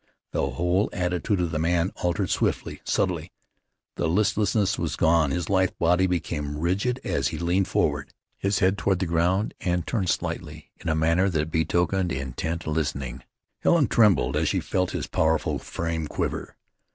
The whole attitude of the man had altered swiftly, subtly. The listlessness was gone. His lithe body became rigid as he leaned forward, his head toward the ground, and turned slightly in a manner that betokened intent listening. Helen trembled as she felt his powerful frame quiver.